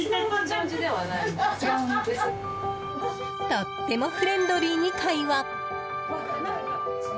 とってもフレンドリーに会話。